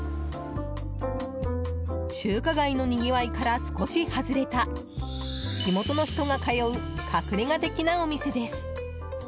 中華街のにぎわいから少し外れた地元の人が通う隠れ家的なお店です。